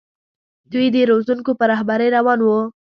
دوی د روزونکو په رهبرۍ روان وو.